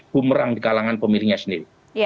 bumerang di kalangan pemilihnya sendiri